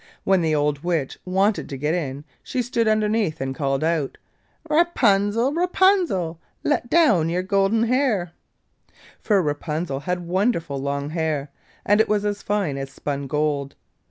When the old Witch wanted to get in she stood underneath and called out: 'Rapunzel, Rapunzel, Let down your golden hair,' for Rapunzel had wonderful long hair, and it was as fine as spun gold.